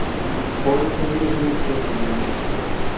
Paul Kelly es un músico australiano.